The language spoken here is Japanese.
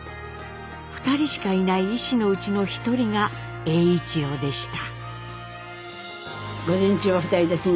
２人しかいない医師のうちの１人が栄一郎でした。